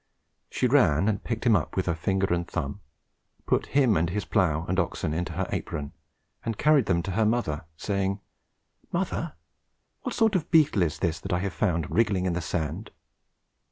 She ran and picked him up with her finger and thumb, put him and his plough and oxen into her apron, and carried them to her mother, saying, "Mother, what sort of beetle is this that I have found wriggling in the sand?"